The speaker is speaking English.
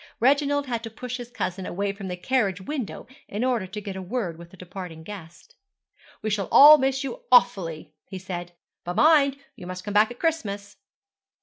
Reginald had to push his cousin away from the carriage window, in order to get a word with the departing guest. 'We shall all miss you awfully,' he said; 'but mind, you must come back at Christmas.'